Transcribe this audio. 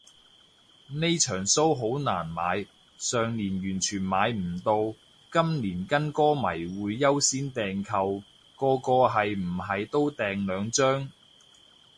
呢場騷好難買，上年完全買唔到，今年跟歌迷會優先訂購，個個係唔係都訂兩張